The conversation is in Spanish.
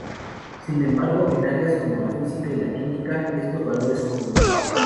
Sin embargo, en áreas como la física y la química, estos valores son comunes.